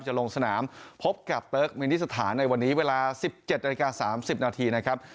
ลงสนามพบกับเติร์กมินิสถานในวันนี้เวลา๑๗นาฬิกา๓๐นาทีนะครับ